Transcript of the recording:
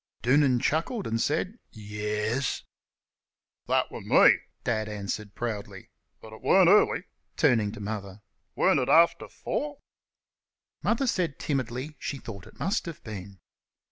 Doonan chuckled and said "Yes." "Thet wer' me," Dad answered proudly; "but it weren't early" (turning to Mother) "weren't it after four?" Mother said timidly she thought it must have been.